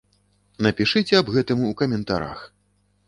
Напішыце аб гэтым у каментарах!